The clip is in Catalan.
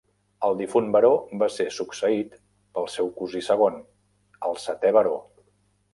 El difunt baró va ser succeït pel seu cosí segon, el setè baró.